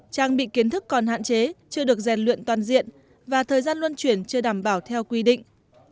trang bị kiến thức còn hạn chế chưa được rèn luyện toàn diện và thời gian luân chuyển chưa đảm bảo theo quy định